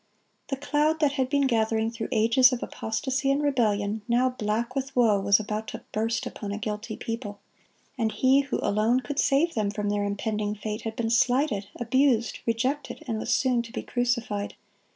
The cloud that had been gathering through ages of apostasy and rebellion, now black with woe, was about to burst upon a guilty people; and He who alone could save them from their impending fate had been slighted, abused, rejected, and was soon to be crucified.